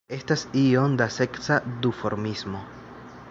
Estas iom da seksa duformismo.